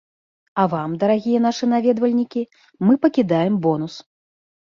А вам, дарагія нашы наведвальнікі, мы пакідаем бонус!